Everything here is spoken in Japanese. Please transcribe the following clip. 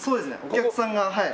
お客さんがはい。